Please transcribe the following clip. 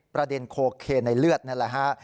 ประเด็นโคเคนในเลือดนั่นแหละฮะ